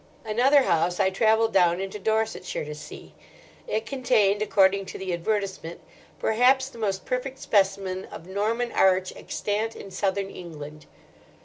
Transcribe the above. "Another house I travelled down into Dorsetshire to see. It contained, according to the advertisement, 'perhaps the most perfect specimen of Norman arch extant in Southern England.